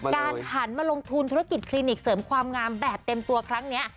หันมาลงทุนธุรกิจคลินิกเสริมความงามแบบเต็มตัวครั้งนี้